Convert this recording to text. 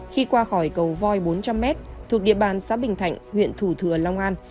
khi qua khỏi cầu voi bốn trăm linh m thuộc địa bàn xã bình thạnh huyện thủ thừa long an